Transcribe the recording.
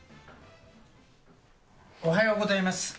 おはようございます。